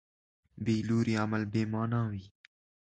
بېلوري عمل بېمانا وي.